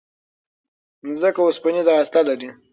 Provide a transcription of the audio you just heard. ځمکه اوسپنيزه هسته لري.